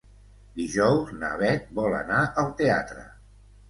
Dijous na Bet vol anar al teatre.